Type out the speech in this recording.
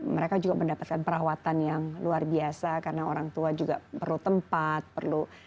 mereka juga mendapatkan perawatan yang luar biasa karena orang tua juga perlu tempat perlu